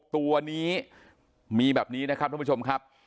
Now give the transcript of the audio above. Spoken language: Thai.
ตัวนี้มีแบบนี้นะครับท่านผู้ชมครับ